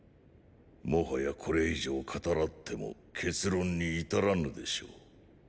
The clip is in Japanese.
もはやこれ以上語らっても結論に至らぬでしょう。